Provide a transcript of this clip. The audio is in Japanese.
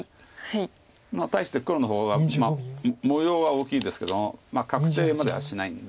対して黒の方は模様は大きいですけども確定まではしないんで。